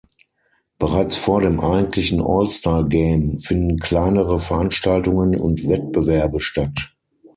Bereits vor dem eigentlichen All-Star Game finden kleinere Veranstaltungen und Wettbewerbe statt.